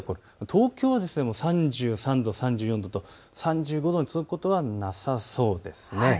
東京では３３度、３４度と３５度に届くことはなさそうです。